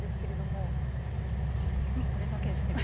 もうこれだけですね。